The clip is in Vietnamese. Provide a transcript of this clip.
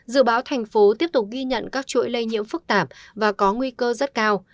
dự báo thành phố tiếp tục ghi nhận các chuỗi lây nhiễm phức tạp và có nguy cơ rất cao